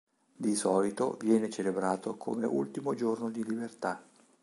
Di solito viene celebrato come ultimo giorno di libertà.